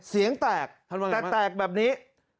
เสียงแตกแตกแบบนี้